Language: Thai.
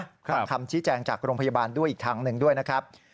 ฟังคำชี้แจงจากโรงพยาบาลด้วยอีกทางหนึ่งด้วยนะครับ